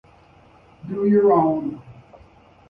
On your own?